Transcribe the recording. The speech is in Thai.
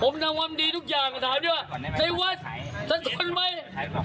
ผมทำความดีทุกอย่างมาถามด้วยว่าในวัดสะทนไหม